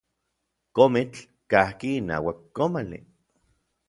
Komitl kajki inauak komali.